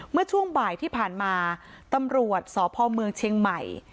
เมื่อช่วงบ่ายที่ผ่านมาตำรวจสพเมืองเชียงใหม่